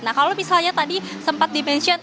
nah kalau misalnya tadi sempat di passion